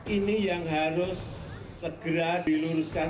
ini yang harus segera diluruskan